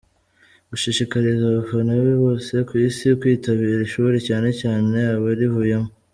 gushishikariza abafana be bose ku isi kwitabira ishuri cyane cyane abarivuyemo.